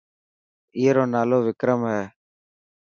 اي رو نالو وڪرم هي.